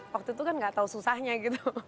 waktu itu kan nggak tahu susahnya gitu